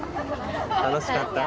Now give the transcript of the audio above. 楽しかった？